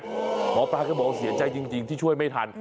หมอปลาก็บอกว่าเสียใจจริงที่ช่วยไม่ทัน